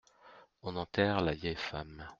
On enterre la vieille femme.